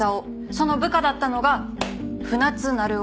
その部下だったのが船津成男。